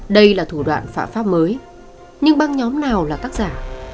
đây là thủ đoạn phạm pháp mới nhưng băng nhóm nào là tác giả